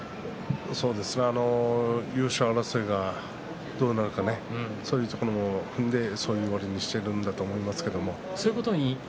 優勝争いは、どうなるかそういうところも踏んでそういう割りにしてるんだと思います。